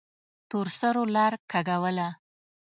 تورسرو لار کږوله.